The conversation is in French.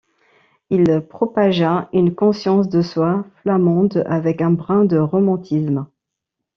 Il propagea une conscience de soi flamande avec un brin de romantisme.